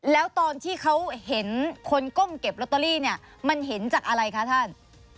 แล้วตอนที่เขาเห็นคนก้มเก็บลอตเตอรี่เนี่ยมันเห็นจากอะไรคะท่าน